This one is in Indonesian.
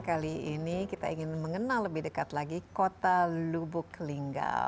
kali ini kita ingin mengenal lebih dekat lagi kota lubuk linggal